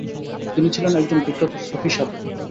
তিনি ছিলেন একজন বিখ্যাত সুফী সাধক।